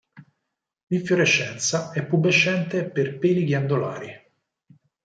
L'infiorescenza è pubescente per peli ghiandolari.